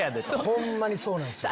ホンマにそうなんすよね。